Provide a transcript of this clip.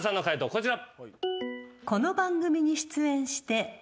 こちら。